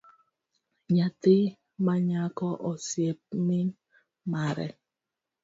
Nyathi manyako osiep min mare